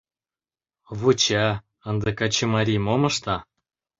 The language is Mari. Вуча, ынде качымарий мом ышта.